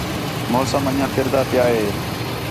موسم انڄیاں پِھردا پِیا ہِے